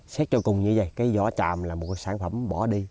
xét cho cùng như vậy cái vỏ tràm là một cái sản phẩm bỏ đi